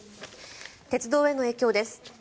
鉄道への影響です。